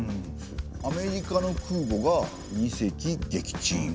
「アメリカの空母が二隻撃沈」。